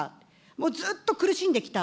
もうずっと苦しんできた。